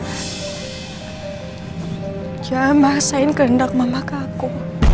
jangan paksain kendak mama kaku